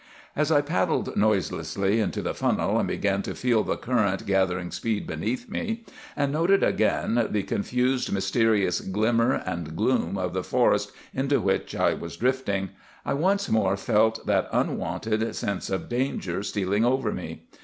"As I paddled noiselessly into the funnel, and began to feel the current gathering speed beneath me, and noted again the confused, mysterious glimmer and gloom of the forest into which I was drifting, I once more felt that unwonted sense of danger stealing over me.